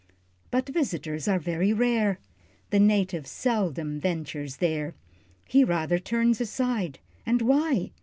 But visitors are very rare, The native seldom ventures there, He rather turns aside. And why?